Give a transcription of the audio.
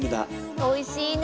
おいしいね。